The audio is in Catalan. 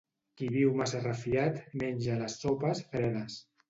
Qui viu massa refiat, menja les sopes fredes.